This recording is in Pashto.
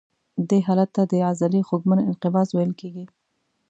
دې حالت ته د عضلې خوږمن انقباض ویل کېږي.